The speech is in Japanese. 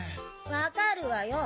分かるわよ。